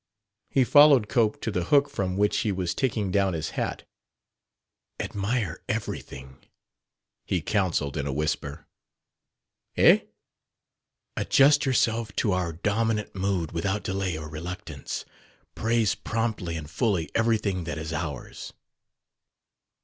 He followed Cope to the hook from which he was taking down his hat. "Admire everything," he counselled in a whisper. "Eh?" "Adjust yourself to our dominant mood without delay or reluctance. Praise promptly and fully everything that is ours."